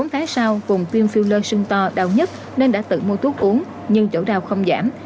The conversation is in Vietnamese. bốn tháng sau vùng tiêm filler sưng to đau nhất nên đã tự mua thuốc uống nhưng chỗ đau không giảm